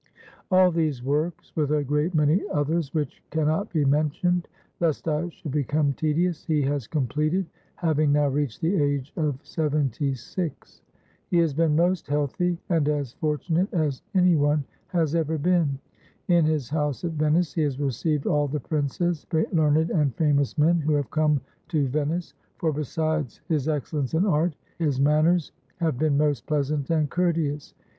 All these works, with a great many others, which can not be mentioned, lest I should become tedious, he has completed, having now reached the age of seventy six. He has been most healthy, and as fortunate as any one has ever been. In his house at Venice he has received all the princes and learned and famous men who have come to Venice; for besides his excellence in art, his man ners have been most pleasant and courteous.